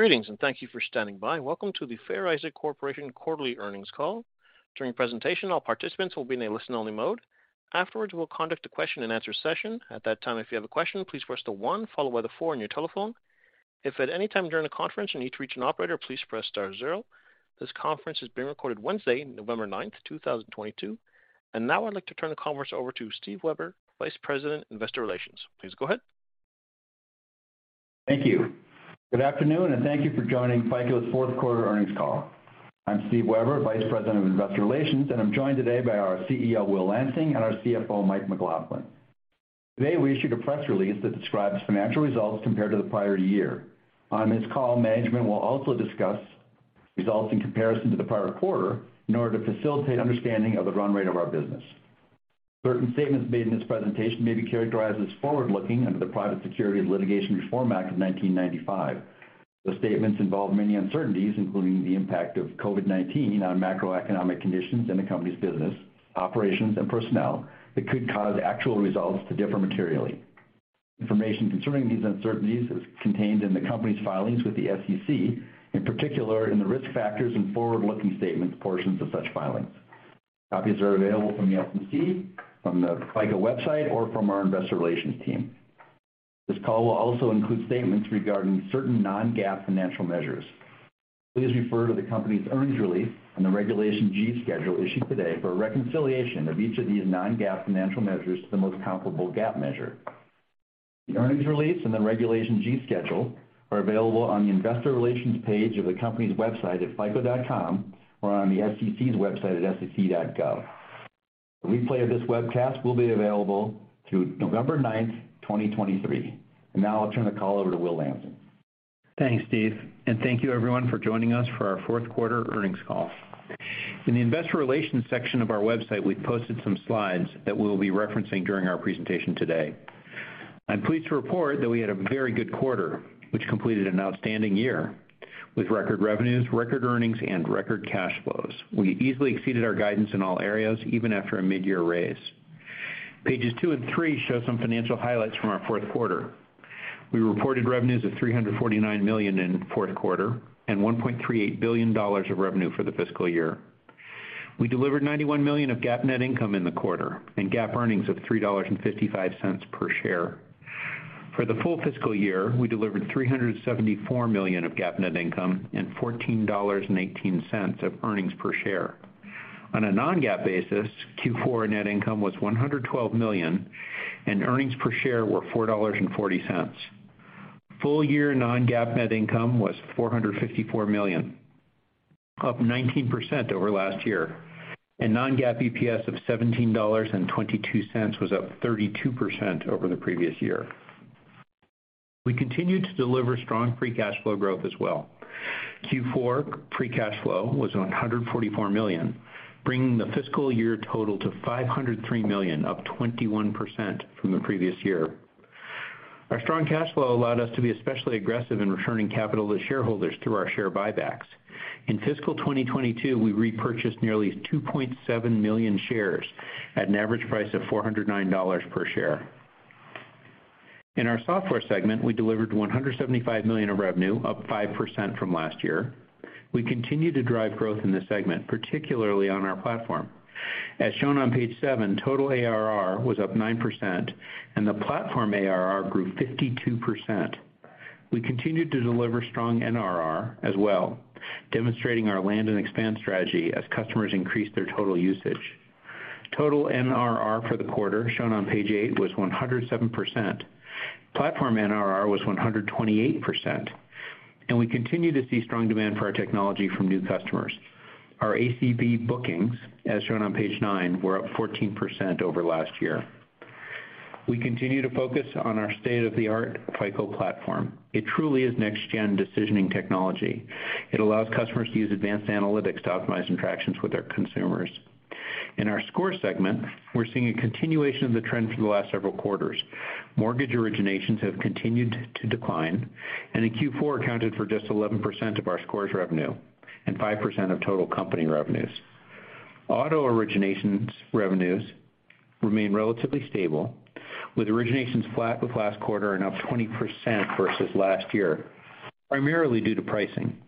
Greetings, and thank you for standing by. Welcome to the Fair Isaac Corporation quarterly earnings call. During the presentation, all participants will be in a listen-only mode. Afterwards, we'll conduct a question-and-answer session. At that time, if you have a question, please press the one followed by the four on your telephone. If at any time during the conference you need to reach an operator, please press Star zero. This conference is being recorded Wednesday, November 19th, 2022. Now I'd like to turn the conference over to Steve Weber, Vice President, Investor Relations. Please go ahead. Thank you. Good afternoon, and thank you for joining FICO's fourth quarter earnings call. I'm Steve Weber, Vice President of Investor Relations, and I'm joined today by our CEO, Will Lansing, and our CFO, Mike McLaughlin. Today, we issued a press release that describes financial results compared to the prior year. On this call, management will also discuss results in comparison to the prior quarter in order to facilitate understanding of the run rate of our business. Certain statements made in this presentation may be characterized as forward-looking under the Private Securities Litigation Reform Act of 1995. Those statements involve many uncertainties, including the impact of COVID-19 on macroeconomic conditions in the company's business, operations, and personnel that could cause actual results to differ materially. Information concerning these uncertainties is contained in the company's filings with the SEC, in particular in the risk factors and forward-looking statements portions of such filings. Copies are available from the SEC, from the FICO website, or from our investor relations team. This call will also include statements regarding certain non-GAAP financial measures. Please refer to the company's earnings release and the Regulation G schedule issued today for a reconciliation of each of these non-GAAP financial measures to the most comparable GAAP measure. The earnings release and the Regulation G schedule are available on the investor relations page of the company's website at fico.com or on the SEC's website at sec.gov. A replay of this webcast will be available through November ninth, twenty twenty-three. Now I'll turn the call over to Will Lansing. Thanks, Steve, and thank you everyone for joining us for our fourth quarter earnings call. In the investor relations section of our website, we've posted some slides that we'll be referencing during our presentation today. I'm pleased to report that we had a very good quarter, which completed an outstanding year with record revenues, record earnings, and record cash flows. We easily exceeded our guidance in all areas, even after a mid-year raise. Pages two and three show some financial highlights from our fourth quarter. We reported revenues of $349 million in the fourth quarter and $1.38 billion of revenue for the fiscal year. We delivered $91 million of GAAP net income in the quarter and GAAP earnings of $3.55 per share. For the full fiscal year, we delivered $374 million of GAAP net income and $14.18 of earnings per share. On a non-GAAP basis, Q4 net income was $112 million, and earnings per share were $4.40. Full-year non-GAAP net income was $454 million, up 19% over last year, and non-GAAP EPS of $17.22 was up 32% over the previous year. We continued to deliver strong free cash flow growth as well. Q4 free cash flow was $144 million, bringing the fiscal year total to $503 million, up 21% from the previous year. Our strong cash flow allowed us to be especially aggressive in returning capital to shareholders through our share buybacks. In fiscal 2022, we repurchased nearly 2.7 million shares at an average price of $409 per share. In our software segment, we delivered $175 million of revenue, up 5% from last year. We continue to drive growth in this segment, particularly on our platform. As shown on page seven, total ARR was up 9%, and the platform ARR grew 52%. We continued to deliver strong NRR as well, demonstrating our land and expand strategy as customers increased their total usage. Total NRR for the quarter, shown on page eight, was 107%. Platform NRR was 128%. We continue to see strong demand for our technology from new customers. Our ACV bookings, as shown on page nine, were up 14% over last year. We continue to focus on our state-of-the-art FICO Platform. It truly is next-gen decisioning technology. It allows customers to use advanced analytics to optimize interactions with their consumers. In our Scores segment, we're seeing a continuation of the trend for the last several quarters. Mortgage originations have continued to decline, and in Q4 accounted for just 11% of our Scores revenue and 5% of total company revenues. Auto originations revenues remain relatively stable, with originations flat with last quarter and up 20% versus last year, primarily due to pricing.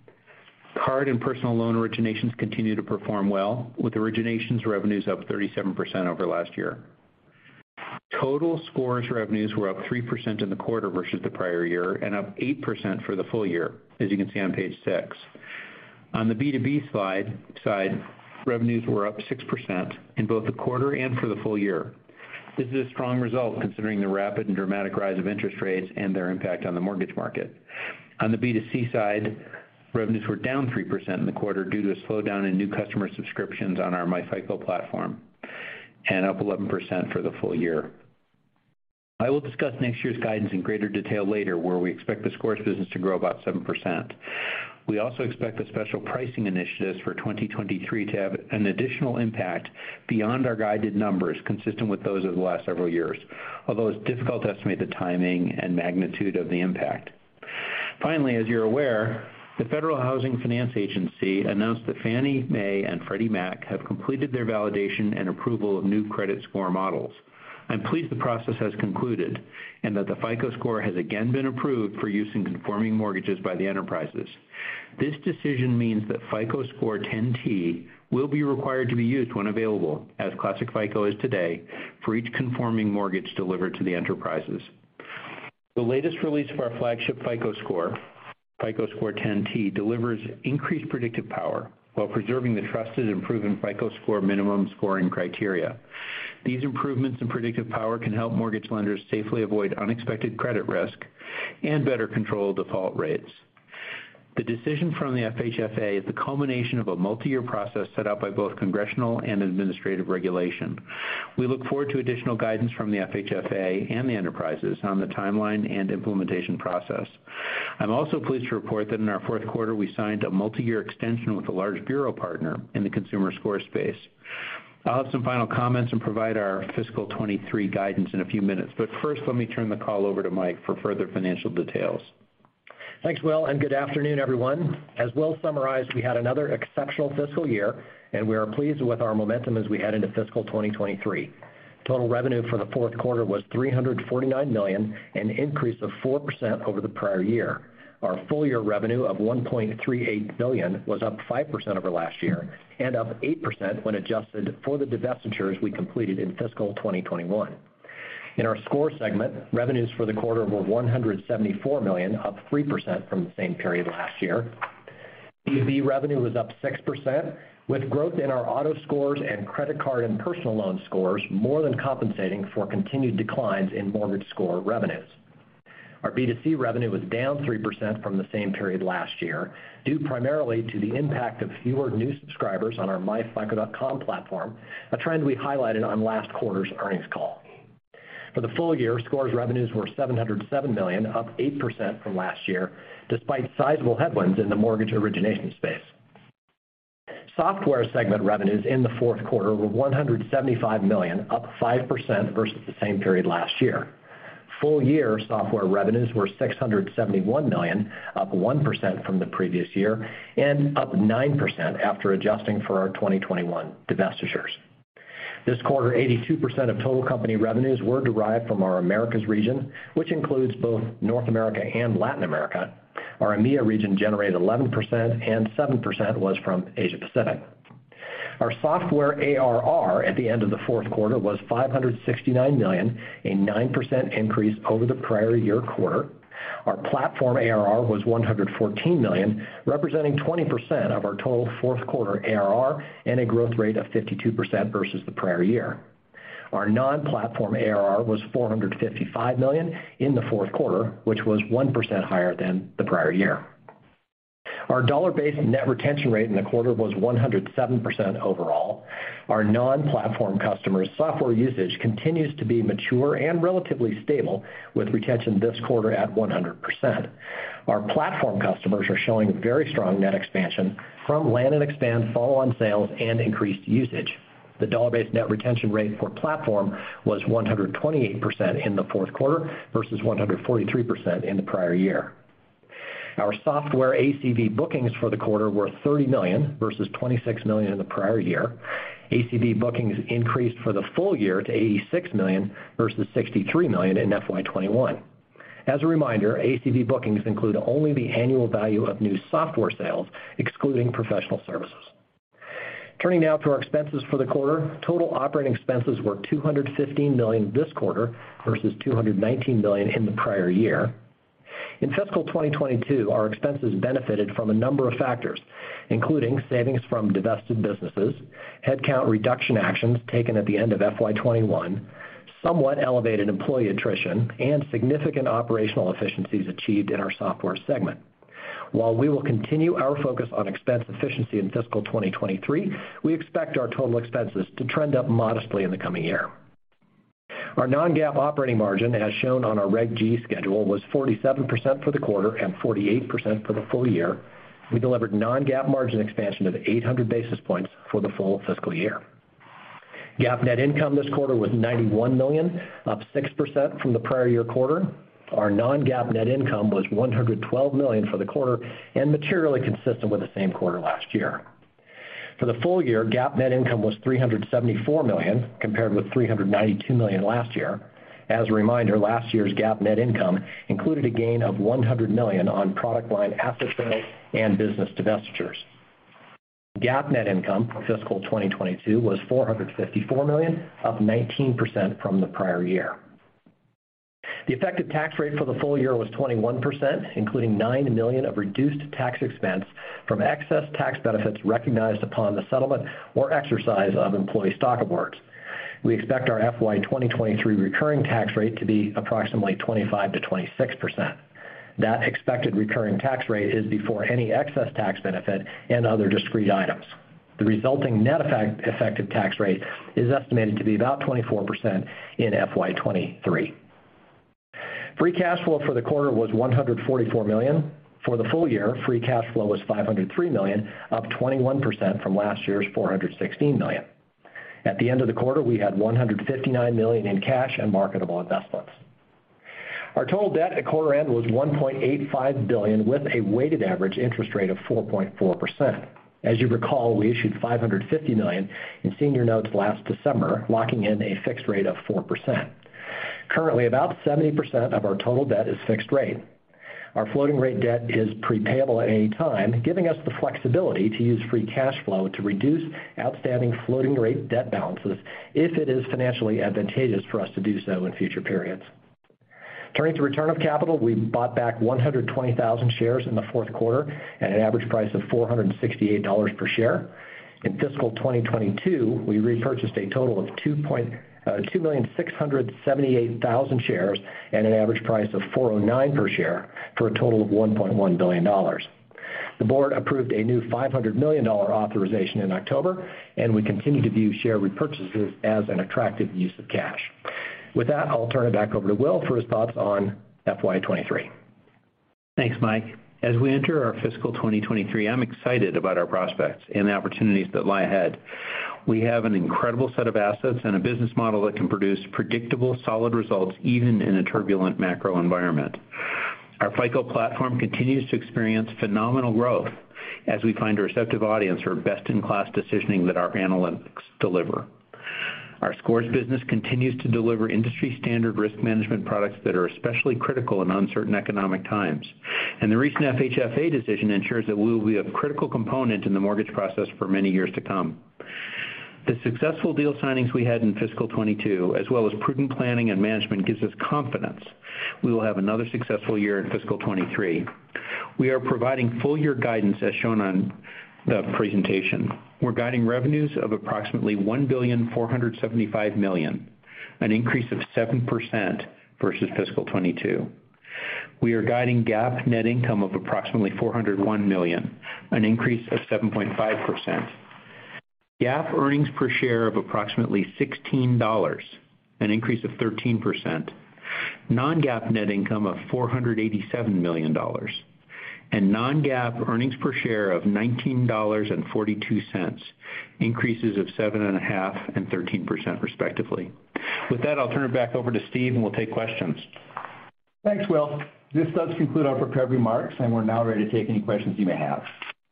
Card and personal loan originations continue to perform well, with originations revenues up 37% over last year. Total Scores revenues were up 3% in the quarter versus the prior year and up 8% for the full year, as you can see on page six. On the B2B side, revenues were up 6% in both the quarter and for the full year. This is a strong result considering the rapid and dramatic rise of interest rates and their impact on the mortgage market. On the B2C side, revenues were down 3% in the quarter due to a slowdown in new customer subscriptions on our myFICO platform and up 11% for the full year. I will discuss next year's guidance in greater detail later, where we expect the Scores business to grow about 7%. We also expect the special pricing initiatives for 2023 to have an additional impact beyond our guided numbers, consistent with those of the last several years, although it's difficult to estimate the timing and magnitude of the impact. Finally, as you're aware, the Federal Housing Finance Agency announced that Fannie Mae and Freddie Mac have completed their validation and approval of new credit score models. I'm pleased the process has concluded and that the FICO Score has again been approved for use in conforming mortgages by the enterprises. This decision means that FICO Score Ten T will be required to be used when available as Classic FICO is today for each conforming mortgage delivered to the enterprises. The latest release of our flagship FICO Score, FICO Score Ten T, delivers increased predictive power while preserving the trusted, improving FICO Score minimum scoring criteria. These improvements in predictive power can help mortgage lenders safely avoid unexpected credit risk and better control default rates. The decision from the FHFA is the culmination of a multi-year process set out by both congressional and administrative regulation. We look forward to additional guidance from the FHFA and the enterprises on the timeline and implementation process. I'm also pleased to report that in our fourth quarter, we signed a multi-year extension with a large bureau partner in the consumer score space. I'll have some final comments and provide our fiscal 2023 guidance in a few minutes, but first, let me turn the call over to Mike for further financial details. Thanks, Will, and good afternoon, everyone. As Will summarized, we had another exceptional fiscal year, and we are pleased with our momentum as we head into fiscal 2023. Total revenue for the fourth quarter was $349 million, an increase of 4% over the prior year. Our full year revenue of $1.38 billion was up 5% over last year and up 8% when adjusted for the divestitures we completed in fiscal 2021. In our score segment, revenues for the quarter were $174 million, up 3% from the same period last year. B2B revenue was up 6% with growth in our auto scores and credit card and personal loan scores more than compensating for continued declines in mortgage score revenues. Our B2C revenue was down 3% from the same period last year, due primarily to the impact of fewer new subscribers on our myFICO.com platform, a trend we highlighted on last quarter's earnings call. For the full year, scores revenues were $707 million, up 8% from last year, despite sizable headwinds in the mortgage origination space. Software segment revenues in the fourth quarter were $175 million, up 5% versus the same period last year. Full year software revenues were $671 million, up 1% from the previous year and up 9% after adjusting for our 2021 divestitures. This quarter, 82% of total company revenues were derived from our Americas region, which includes both North America and Latin America. Our EMEIA region generated 11%, and 7% was from Asia Pacific. Our software ARR at the end of the fourth quarter was $569 million, a 9% increase over the prior year quarter. Our platform ARR was $114 million, representing 20% of our total fourth quarter ARR and a growth rate of 52% versus the prior year. Our non-platform ARR was $455 million in the fourth quarter, which was 1% higher than the prior year. Our dollar-based net retention rate in the quarter was 107% overall. Our non-platform customers software usage continues to be mature and relatively stable, with retention this quarter at 100%. Our platform customers are showing very strong net expansion from land and expand follow-on sales and increased usage. The dollar-based net retention rate for platform was 128% in the fourth quarter versus 143% in the prior year. Our software ACV bookings for the quarter were $30 million versus $26 million in the prior year. ACV bookings increased for the full year to $86 million versus $63 million in FY 2021. As a reminder, ACV bookings include only the annual value of new software sales, excluding professional services. Turning now to our expenses for the quarter. Total operating expenses were $215 million this quarter versus $219 million in the prior year. In fiscal 2022, our expenses benefited from a number of factors, including savings from divested businesses, headcount reduction actions taken at the end of FY 2021, somewhat elevated employee attrition, and significant operational efficiencies achieved in our software segment. While we will continue our focus on expense efficiency in fiscal 2023, we expect our total expenses to trend up modestly in the coming year. Our non-GAAP operating margin, as shown on our Regulation G schedule, was 47% for the quarter and 48% for the full year. We delivered non-GAAP margin expansion of 800 basis points for the full fiscal year. GAAP net income this quarter was $91 million, up 6% from the prior year quarter. Our non-GAAP net income was $112 million for the quarter and materially consistent with the same quarter last year. For the full year, GAAP net income was $374 million, compared with $392 million last year. As a reminder, last year's GAAP net income included a gain of $100 million on product line asset sales and business divestitures. GAAP net income for fiscal 2022 was $454 million, up 19% from the prior year. The effective tax rate for the full year was 21%, including $9 million of reduced tax expense from excess tax benefits recognized upon the settlement or exercise of employee stock awards. We expect our FY 2023 recurring tax rate to be approximately 25%-26%. That expected recurring tax rate is before any excess tax benefit and other discrete items. The resulting net effective tax rate is estimated to be about 24% in FY 2023. Free cash flow for the quarter was $144 million. For the full year, free cash flow was $503 million, up 21% from last year's $416 million. At the end of the quarter, we had $159 million in cash and marketable investments. Our total debt at quarter end was $1.85 billion, with a weighted average interest rate of 4.4%. As you recall, we issued $550 million in senior notes last December, locking in a fixed rate of 4%. Currently, about 70% of our total debt is fixed rate. Our floating rate debt is pre-payable at any time, giving us the flexibility to use free cash flow to reduce outstanding floating rate debt balances if it is financially advantageous for us to do so in future periods. Turning to return of capital, we bought back 120,000 shares in the fourth quarter at an average price of $468 per share. In fiscal 2022, we repurchased a total of 2,678,000 shares at an average price of $409 per share for a total of $1.1 billion. The board approved a new $500 million authorization in October, and we continue to view share repurchases as an attractive use of cash. With that, I'll turn it back over to Will for his thoughts on FY 2023. Thanks, Mike. As we enter our fiscal 2023, I'm excited about our prospects and the opportunities that lie ahead. We have an incredible set of assets and a business model that can produce predictable, solid results even in a turbulent macro environment. Our FICO Platform continues to experience phenomenal growth as we find a receptive audience for best-in-class decisioning that our analytics deliver. Our Scores business continues to deliver industry standard risk management products that are especially critical in uncertain economic times. The recent FHFA decision ensures that we will be a critical component in the mortgage process for many years to come. The successful deal signings we had in fiscal 2022, as well as prudent planning and management, gives us confidence we will have another successful year in fiscal 2023. We are providing full year guidance, as shown on the presentation. We're guiding revenues of approximately $1.475 billion, an increase of 7% versus fiscal 2022. We're guiding GAAP net income of approximately $401 million, an increase of 7.5%. GAAP earnings per share of approximately $16, an increase of 13%. Non-GAAP net income of $487 million, and non-GAAP earnings per share of $19.42, increases of 7.5% and 13% respectively. With that, I'll turn it back over to Steve, and we'll take questions. Thanks, Will. This does conclude our prepared remarks, and we're now ready to take any questions you may have.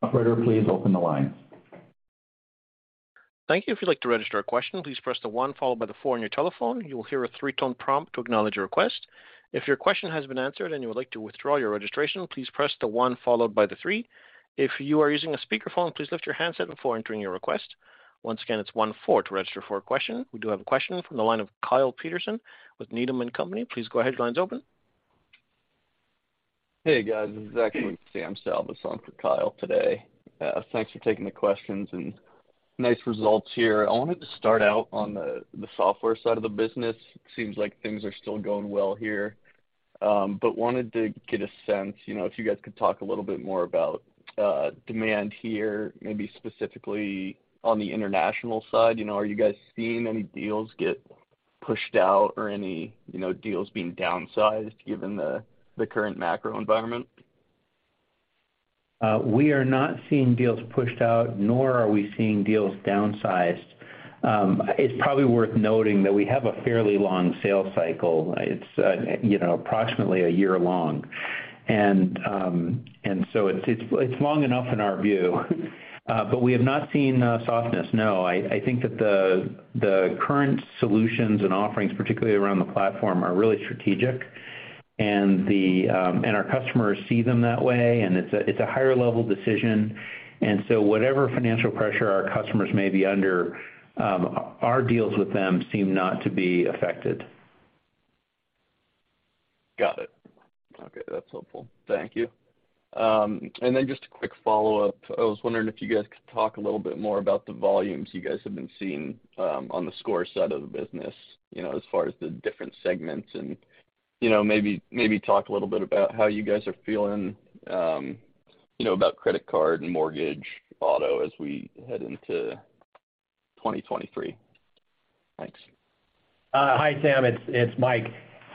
Operator, please open the line. Thank you. If you'd like to register a question, please press the one followed by the four on your telephone. You will hear a three-tone prompt to acknowledge your request. If your question has been answered and you would like to withdraw your registration, please press the one followed by the three. If you are using a speakerphone, please lift your handset before entering your request. Once again, it's one-four to register for a question. We do have a question from the line of Kyle Peterson with Needham & Company. Please go ahead, your line's open. Hey, guys. This is actually Sam Salva subbing for Kyle today. Thanks for taking the questions and nice results here. I wanted to start out on the software side of the business. Seems like things are still going well here. But wanted to get a sense, you know, if you guys could talk a little bit more about demand here, maybe specifically on the international side. You know, are you guys seeing any deals get pushed out or any, you know, deals being downsized given the current macro environment? We are not seeing deals pushed out, nor are we seeing deals downsized. It's probably worth noting that we have a fairly long sales cycle. It's you know, approximately a year long. It's long enough in our view, but we have not seen softness. No. I think that the current solutions and offerings, particularly around the platform, are really strategic and our customers see them that way, and it's a higher level decision. Whatever financial pressure our customers may be under, our deals with them seem not to be affected. Got it. Okay. That's helpful. Thank you. Just a quick follow-up. I was wondering if you guys could talk a little bit more about the volumes you guys have been seeing, on the Scores side of the business, you know, as far as the different segments. You know, maybe talk a little bit about how you guys are feeling, you know, about credit card and mortgage, auto as we head into 2023. Thanks. Hi, Sam. It's Mike.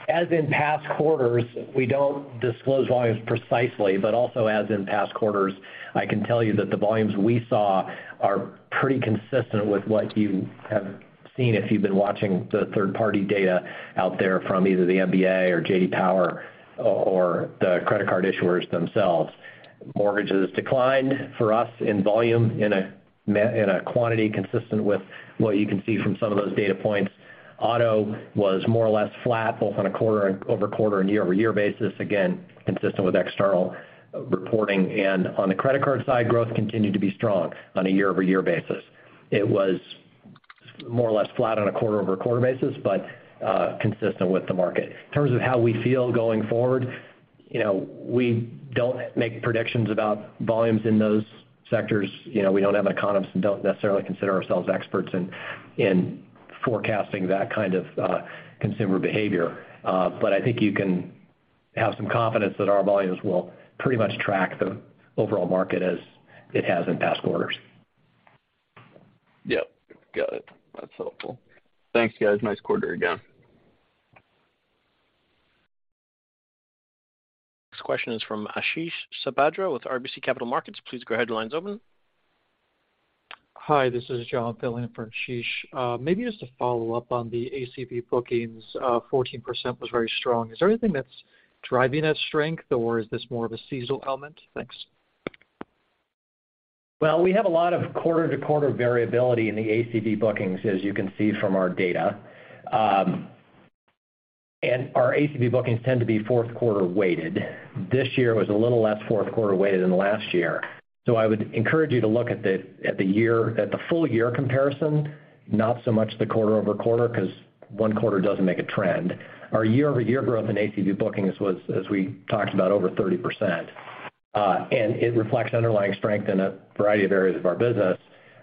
As in past quarters, we don't disclose volumes precisely, but also as in past quarters, I can tell you that the volumes we saw are pretty consistent with what you have seen if you've been watching the third party data out there from either the MBA or J.D. Power or the credit card issuers themselves. Mortgages declined for us in volume in a quantity consistent with what you can see from some of those data points. Auto was more or less flat, both on a quarter-over-quarter and year-over-year basis, again, consistent with external reporting. On the credit card side, growth continued to be strong on a year-over-year basis. It was more or less flat on a quarter-over-quarter basis, but consistent with the market. In terms of how we feel going forward, you know, we don't make predictions about volumes in those sectors. You know, we don't have economists and don't necessarily consider ourselves experts in forecasting that kind of consumer behavior. I think you can have some confidence that our volumes will pretty much track the overall market as it has in past quarters. Yep. Got it. That's helpful. Thanks, guys. Nice quarter again. Next question is from Ashish Sabadram with RBC Capital Markets. Please go ahead, line's open. Hi, this is Jon filling in for Ashish. Maybe just to follow up on the ACV bookings, 14% was very strong. Is there anything that's driving that strength, or is this more of a seasonal element? Thanks. We have a lot of quarter-to-quarter variability in the ACV bookings, as you can see from our data. Our ACV bookings tend to be fourth quarter weighted. This year was a little less fourth quarter weighted than last year. I would encourage you to look at the full year comparison, not so much the quarter-over-quarter because one quarter doesn't make a trend. Our year-over-year growth in ACV bookings was, as we talked about, over 30%. It reflects underlying strength in a variety of areas of our business,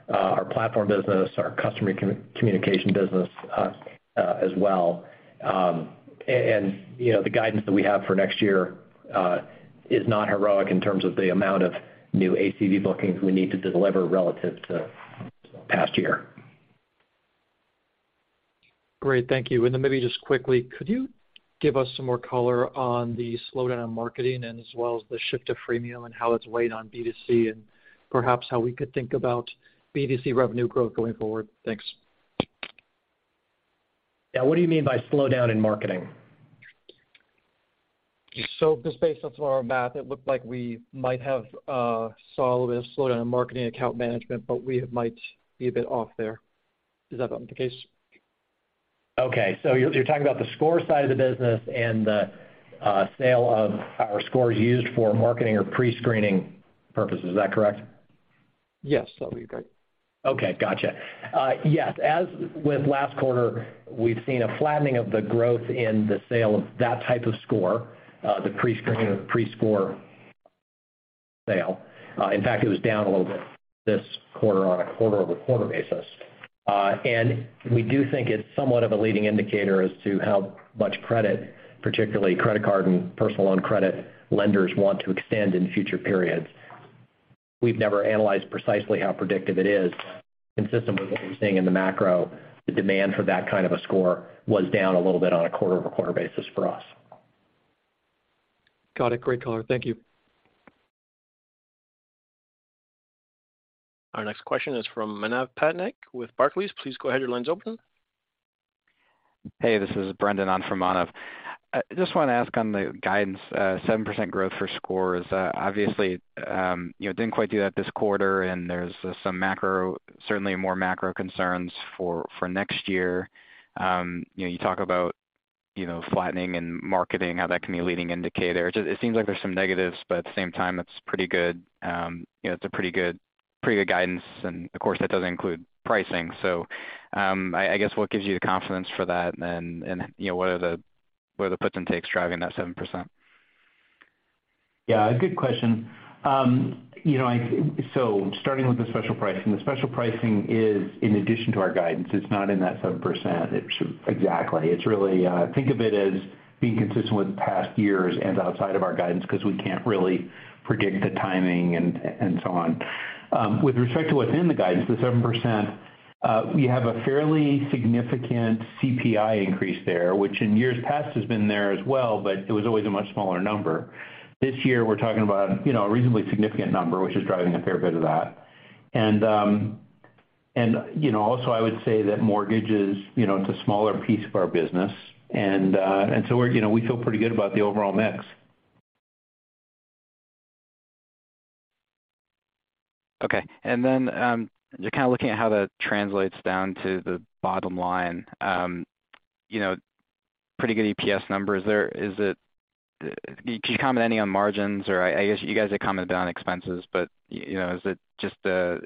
our platform business, our customer communication business, as well. You know, the guidance that we have for next year is not heroic in terms of the amount of new ACV bookings we need to deliver relative to past year. Great. Thank you. Maybe just quickly, could you give us some more color on the slowdown in marketing and as well as the shift to freemium and how it's weighed on B2C and perhaps how we could think about B2C revenue growth going forward? Thanks. Yeah. What do you mean by slowdown in marketing? Just based on some of our math, it looked like we might have saw a little bit of slowdown in marketing account management, but we might be a bit off there. Is that not the case? Okay. You're talking about the score side of the business and the sale of our scores used for marketing or prescreening purposes. Is that correct? Yes. That'd be great. Okay. Gotcha. Yes, as with last quarter, we've seen a flattening of the growth in the sale of that type of score, the prescreen or prescore sale. In fact, it was down a little bit this quarter on a quarter-over-quarter basis. We do think it's somewhat of a leading indicator as to how much credit, particularly credit card and personal loan credit lenders want to extend in future periods. We've never analyzed precisely how predictive it is. Consistent with what we're seeing in the macro, the demand for that kind of a score was down a little bit on a quarter-over-quarter basis for us. Got it. Great color. Thank you. Our next question is from Manav Patnaik with Barclays. Please go ahead. Your line's open. Hey, this is Brendan on for Manav. I just want to ask on the guidance, 7% growth for scores. Obviously, you know, didn't quite do that this quarter, and there's some macro, certainly more macro concerns for next year. You know, you talk about, you know, flattening and marketing, how that can be a leading indicator. It just seems like there's some negatives, but at the same time, it's pretty good, you know, it's a pretty good guidance. Of course, that doesn't include pricing. I guess what gives you the confidence for that? You know, what are the puts and takes driving that 7%? Yeah, good question. You know, so starting with the special pricing. The special pricing is in addition to our guidance. It's not in that 7%. It's exactly. It's really, think of it as being consistent with past years and outside of our guidance because we can't really predict the timing and so on. With respect to within the guidance, the 7%, we have a fairly significant CPI increase there, which in years past has been there as well, but it was always a much smaller number. This year, we're talking about, you know, a reasonably significant number, which is driving a fair bit of that. You know, also I would say that mortgage is, you know, it's a smaller piece of our business. We're, you know, we feel pretty good about the overall mix. Okay. Just kind of looking at how that translates down to the bottom line, you know, pretty good EPS numbers there. Can you comment any on margins? Or I guess you guys have commented on expenses, but, you know, is it just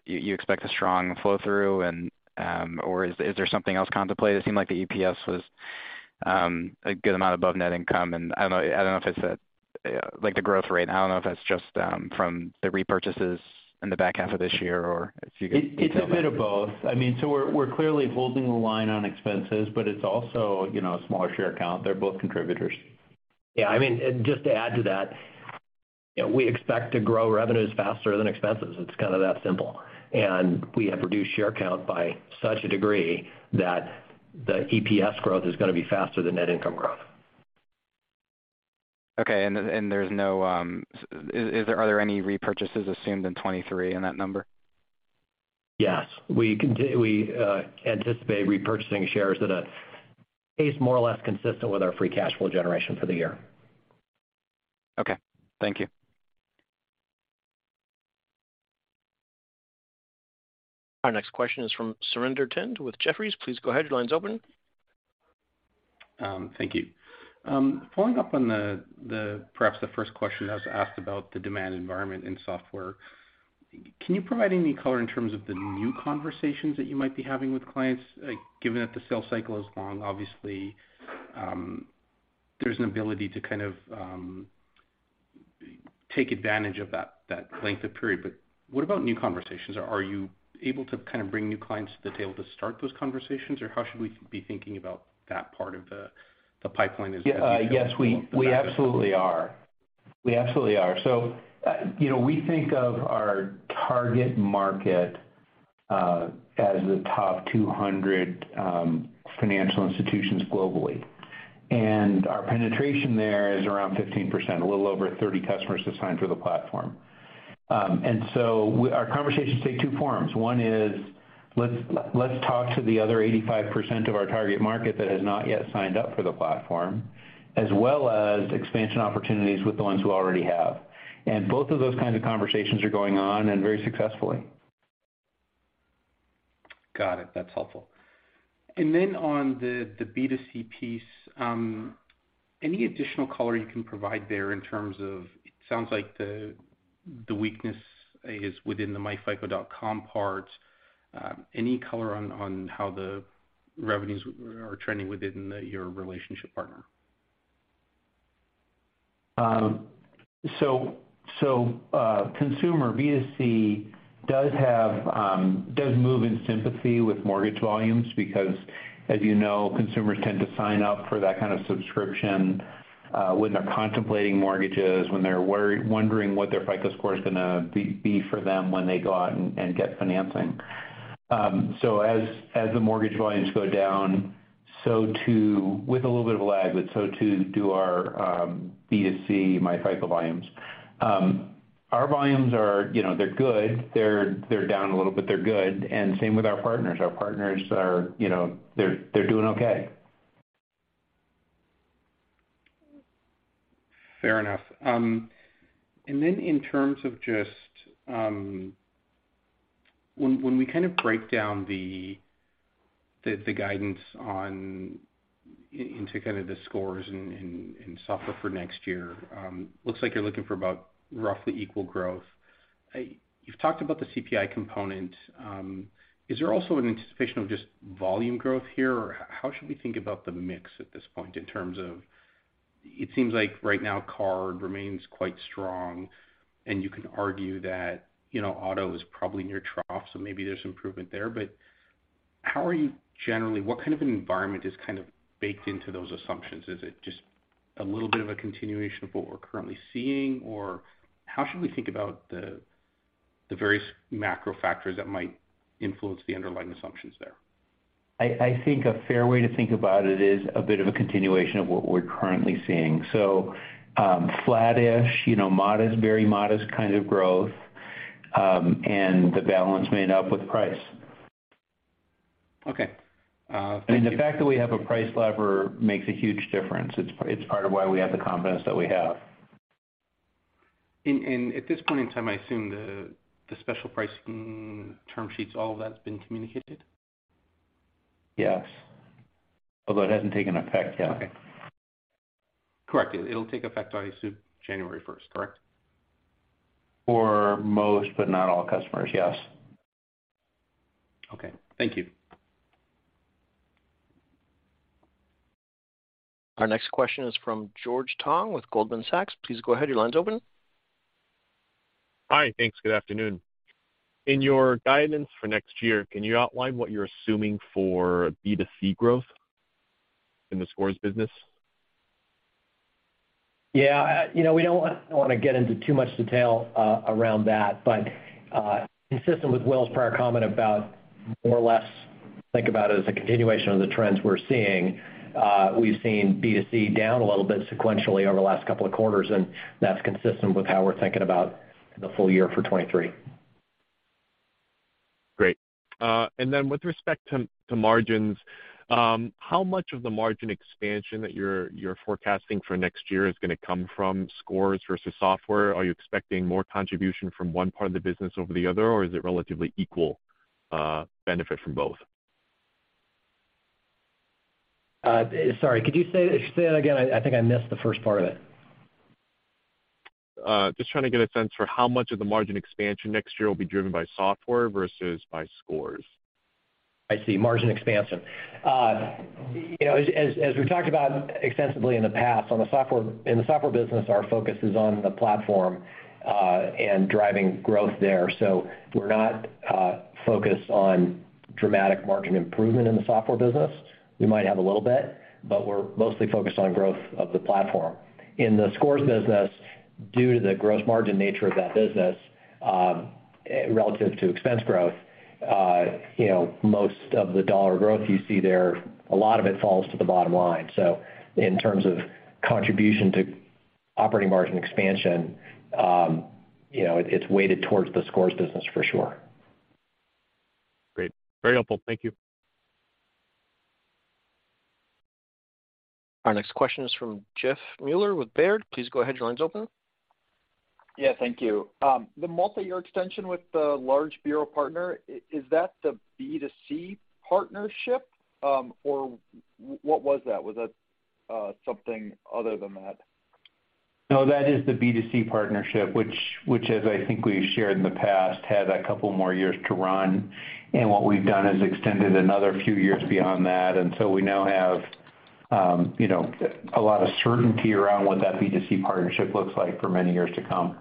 you expect a strong flow through and, or is there something else contemplated? It seemed like the EPS was a good amount above net income. I don't know if it's that, like, the growth rate. I don't know if that's just from the repurchases in the back half of this year or if you could It's a bit of both. I mean, so we're clearly holding the line on expenses, but it's also, you know, a smaller share count. They're both contributors. Yeah. I mean, just to add to that, you know, we expect to grow revenues faster than expenses. It's kind of that simple. We have reduced share count by such a degree that the EPS growth is gonna be faster than net income growth. Are there any repurchases assumed in 2023 in that number? Yes. We anticipate repurchasing shares at a pace more or less consistent with our free cash flow generation for the year. Okay. Thank you. Our next question is from Surinder Thind with Jefferies. Please go ahead. Your line's open. Thank you. Following up on perhaps the first question that was asked about the demand environment in software, can you provide any color in terms of the new conversations that you might be having with clients? Given that the sales cycle is long, obviously, there's an ability to kind of take advantage of that length of period. But what about new conversations? Are you able to kind of bring new clients to the table to start those conversations? Or how should we be thinking about that part of the pipeline? Yeah. Yes, we absolutely are. You know, we think of our target market as the top 200 financial institutions globally. Our penetration there is around 15%, a little over 30 customers signed for the platform. Our conversations take two forms. One is, let's talk to the other 85% of our target market that has not yet signed up for the platform, as well as expansion opportunities with the ones who already have. Both of those kinds of conversations are going on and very successfully. Got it. That's helpful. On the B2C piece, any additional color you can provide there in terms of it sounds like the weakness is within the myFICO.com part. Any color on how the revenues are trending within your relationship partner? Consumer B2C does move in sympathy with mortgage volumes because, as you know, consumers tend to sign up for that kind of subscription when they're contemplating mortgages, when they're wondering what their FICO Score is gonna be for them when they go out and get financing. As the mortgage volumes go down, so too, with a little bit of a lag, but so too do our B2C myFICO volumes. Our volumes are, you know, they're good. They're down a little bit, they're good, and same with our partners. Our partners are, you know, they're doing okay. Fair enough. In terms of just, when we kind of break down the guidance into kind of the scores and software for next year, looks like you're looking for about roughly equal growth. You've talked about the CPI component. Is there also an anticipation of just volume growth here? Or how should we think about the mix at this point in terms of it seems like right now card remains quite strong, and you can argue that, you know, auto is probably near trough, so maybe there's improvement there. But how are you generally, what kind of an environment is kind of baked into those assumptions? Is it just a little bit of a continuation of what we're currently seeing, or how should we think about the various macro factors that might influence the underlying assumptions there? I think a fair way to think about it is a bit of a continuation of what we're currently seeing. Flattish, you know, modest, very modest kind of growth, and the balance made up with price. Okay. Thank you. The fact that we have a price lever makes a huge difference. It's part of why we have the confidence that we have. At this point in time, I assume the special pricing term sheets, all of that's been communicated. Yes. Although it hasn't taken effect yet. Okay. Correct. It'll take effect, obviously, January first, correct? For most, but not all customers, yes. Okay. Thank you. Our next question is from George Tong with Goldman Sachs. Please go ahead. Your line's open. Hi. Thanks. Good afternoon. In your guidance for next year, can you outline what you're assuming for B2C growth in the scores business? Yeah. You know, we don't want to get into too much detail around that. Consistent with Will's prior comment about more or less think about it as a continuation of the trends we're seeing, we've seen B2C down a little bit sequentially over the last couple of quarters, and that's consistent with how we're thinking about the full year for 2023. Great. With respect to margins, how much of the margin expansion that you're forecasting for next year is gonna come from scores versus software? Are you expecting more contribution from one part of the business over the other, or is it relatively equal benefit from both? Sorry. Could you say that again? I think I missed the first part of it. Just trying to get a sense for how much of the margin expansion next year will be driven by software versus by scores. I see. Margin expansion. You know, as we've talked about extensively in the past, in the software business, our focus is on the platform and driving growth there. We're not focused on dramatic margin improvement in the software business. We might have a little bit, but we're mostly focused on growth of the platform. In the scores business, due to the gross margin nature of that business, relative to expense growth, you know, most of the dollar growth you see there, a lot of it falls to the bottom line. In terms of contribution to operating margin expansion, you know, it's weighted towards the scores business for sure. Great. Very helpful. Thank you. Our next question is from Jeff Meuler with Baird. Please go ahead. Your line's open. Yeah. Thank you. The multiyear extension with the large bureau partner, is that the B2C partnership? Or what was that? Was that something other than that? No, that is the B2C partnership, which as I think we shared in the past, had a couple more years to run. What we've done is extended another few years beyond that, and so we now have, you know, a lot of certainty around what that B2C partnership looks like for many years to come.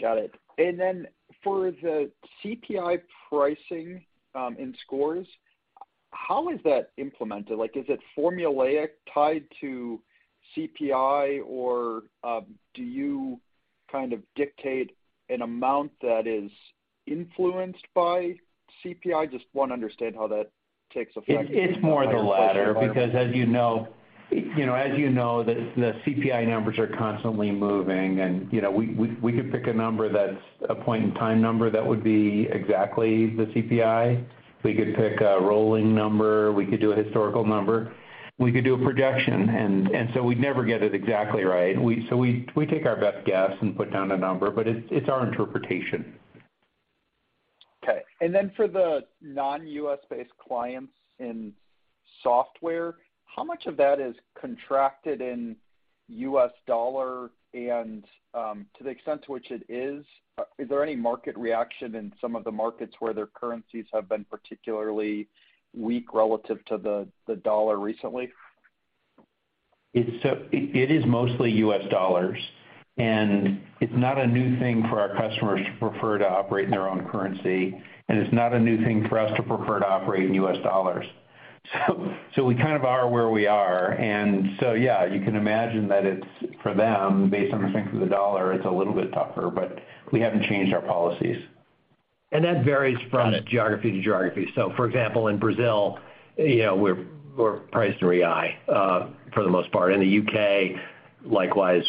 Got it. For the CPI pricing, in scores, how is that implemented? Like, is it formulaic tied to CPI or, do you kind of dictate an amount that is influenced by CPI? Just wanna understand how that takes effect. It's more the latter because as you know. You know, as you know, the CPI numbers are constantly moving and, you know, we could pick a number that's a point-in-time number that would be exactly the CPI. We could pick a rolling number, we could do a historical number, we could do a projection. We'd never get it exactly right. We take our best guess and put down a number, but it's our interpretation. Okay. For the non-U.S.-based clients in software, how much of that is contracted in U.S. dollar? To the extent to which it is there any market reaction in some of the markets where their currencies have been particularly weak relative to the dollar recently? It is mostly U.S. dollars, and it's not a new thing for our customers to prefer to operate in their own currency, and it's not a new thing for us to prefer to operate in U.S. dollars. So we kind of are where we are. Yeah, you can imagine that it's, for them, based on the strength of the U.S. dollar, it's a little bit tougher, but we haven't changed our policies. That varies from geography to geography. For example, in Brazil, you know, we're priced in real for the most part. In the UK, likewise,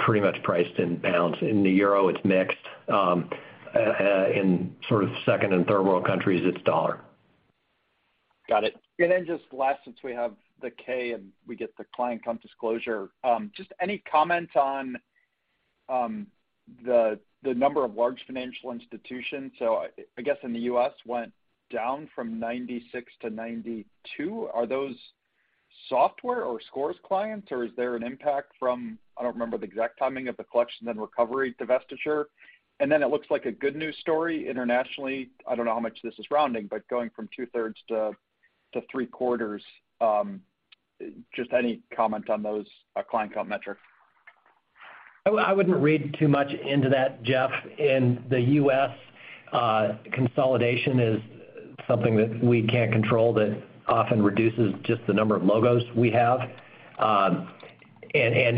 pretty much priced in pounds. In the euro, it's mixed. In sort of second and third world countries, it's dollar. Got it. Then just last, since we have the K and we get the client count disclosure, just any comment on the number of large financial institutions. I guess in the U.S. went down from 96 to 92. Are those software or Scores clients, or is there an impact from, I don't remember the exact timing of the collection and recovery divestiture. Then it looks like a good news story internationally. I don't know how much this is rounding, but going from two-thirds to three-quarters, just any comment on those client count metrics. I wouldn't read too much into that, Jeff. In the U.S., consolidation is something that we can't control that often reduces just the number of logos we have. And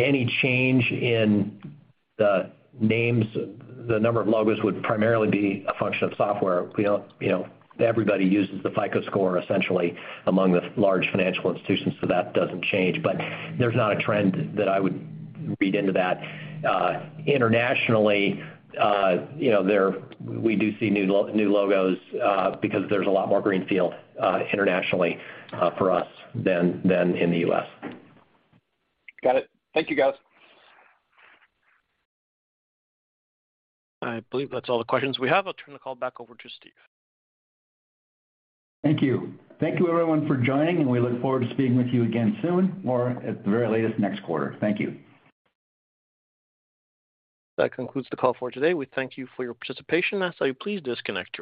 any change in the names, the number of logos would primarily be a function of software. We don't, you know, everybody uses the FICO Score essentially among the large financial institutions, so that doesn't change. But there's not a trend that I would read into that. Internationally, you know, we do see new logos, because there's a lot more greenfield internationally for us than in the U.S. Got it. Thank you, guys. I believe that's all the questions we have. I'll turn the call back over to Steve. Thank you. Thank you everyone for joining, and we look forward to speaking with you again soon or at the very latest, next quarter. Thank you. That concludes the call for today. We thank you for your participation. I ask that you please disconnect your-